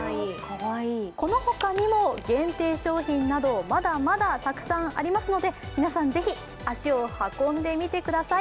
この他にも限定商品など、まだまだたくさんありますので皆さん、是非足を運んでみてください。